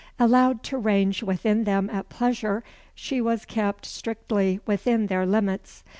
Allowed to range within them at pleasure, she was kept strictly within their limits.